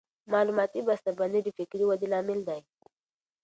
معلوماتي بسته بندي د فکري ودې لامل دی.